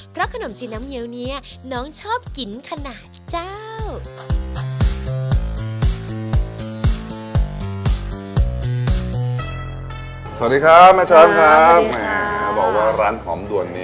เพราะขนมจีนน้ำเงี้ยวนี้น้องชอบกินขนาดเจ้า